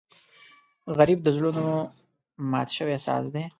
غریب د زړونو مات شوی ساز دی